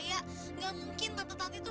gak mungkin tante tante tuh